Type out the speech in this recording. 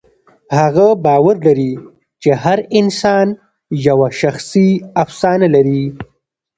هغه باور لري چې هر انسان یوه شخصي افسانه لري.